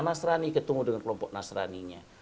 nasrani ketemu dengan kelompok nasraninya